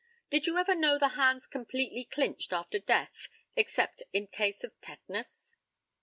Did you ever know the hands completely clinched after death except in case of tetanus?